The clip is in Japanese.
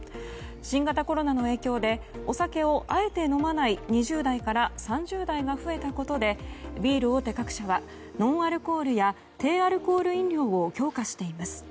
新型コロナの影響でお酒をあえて飲まない２０代から３０代が増えたことでビール大手各社はノンアルコール飲料や低アルコール飲料を強化しています。